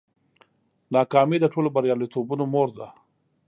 ناکامي د ټولو بریالیتوبونو مور ده.